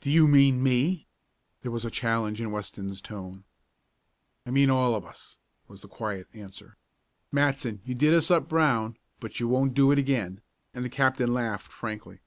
"Do you mean me?" There was challenge in Weston's tone. "I mean all of us," was the quiet answer. "Matson, you did us up brown, but you won't do it again," and the captain laughed frankly.